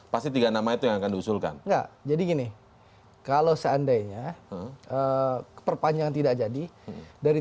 pasti tiga namanya yang akan diusulkan jadi gini kalau seandainya keperpanjangan tidak jadi dari